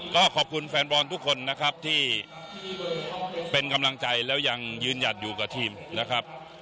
ก็ขอบคุณแฟนบอลทุกคนนะครับที่เป็นกำลังใจแล้วยังยืนหยัดอยู่กับทีมนะครับ